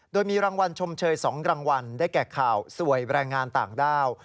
โดยมีรางวัลชมเชย๒รางวัลได้แก่ข่าวสวยแรงงานต่างด้าว